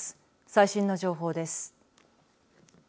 最新の情報です。